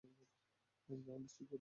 Ground speed কত?